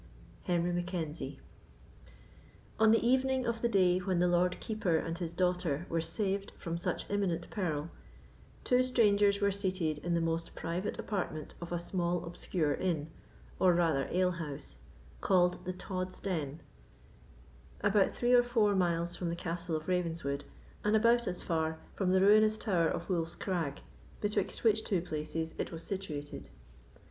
HENRY MACKENZIE. On the evening of the day when the Lord Keeper and his daughter were saved from such imminent peril, two strangers were seated in the most private apartment of a small obscure inn, or rather alehouse, called the Tod's Den, about three or four miles from the Castle of Ravenswood and as far from the ruinous tower of Wolf's Crag, betwixt which two places it was situated.